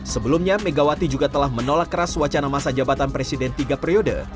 sebelumnya megawati juga telah menolak keras wacana masa jabatan presiden tiga periode